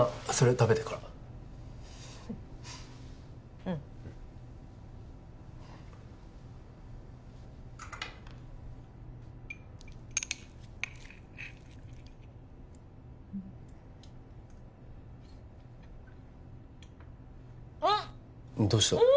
食べてからうんうっどうしたう！